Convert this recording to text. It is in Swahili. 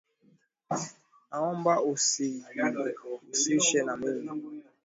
Naomba usijihusishe na mimi